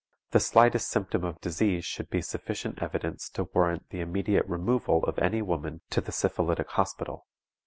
The slightest symptom of disease should be sufficient evidence to warrant the immediate removal of any woman to the syphilitic hospital.